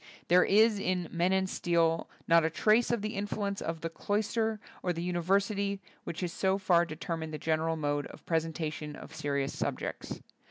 There is in "Men and Steel" not a trace of the influence of the cloister or the university which has so far de termined the general mode of presen tation of serious subjects.